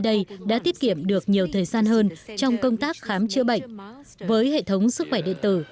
các đối tượng cầm đầu